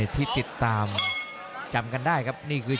กำปั้นขวาสายวัดระยะไปเรื่อย